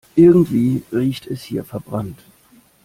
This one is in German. Irgendwie riecht es hier verbrannt.